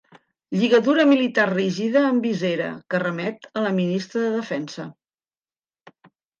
Lligadura militar rígida amb visera que remet a la ministra de Defensa.